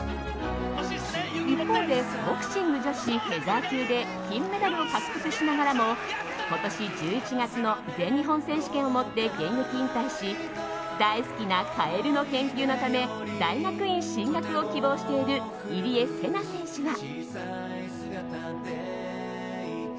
一方でボクシング女子フェザー級で金メダルを獲得しながらも今年１１月の全日本選手権をもって現役引退し大好きなカエルの研究のため大学院進学を希望している入江聖奈選手は。